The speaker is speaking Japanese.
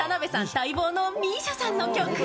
待望のＭＩＳＩＡさんの曲へ。